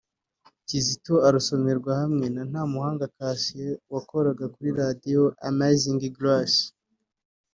Kizito arasomerwa hamwe na Ntamuhanga Cassien wakoraga kuri Radio Amazing Grace